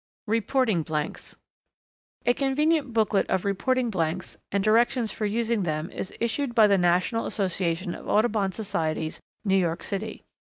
Reporting Blanks. A convenient booklet of reporting blanks and directions for using them is issued by the National Association of Audubon Societies, New York City.